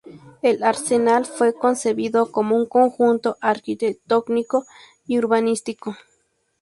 El Arsenal fue concebido como un conjunto arquitectónico y urbanístico.